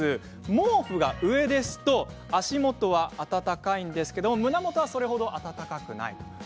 毛布が上ですと足元は温かいんですけれど胸元はそれ程、温かくない。